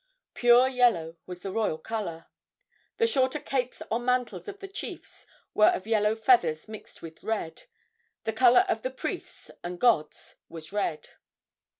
Pure yellow was the royal color. The shorter capes or mantles of the chiefs were of yellow feathers mixed with red. The color of the priests and gods was red.